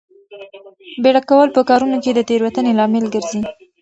بیړه کول په کارونو کې د تېروتنې لامل ګرځي.